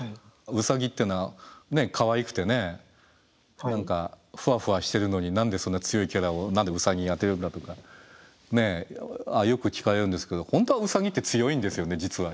ウサギっていうのはねかわいくてね何かふわふわしてるのに何でそんな強いキャラを何でウサギにあてるんだとかよく聞かれるんですけど本当はウサギって強いんですよね実は。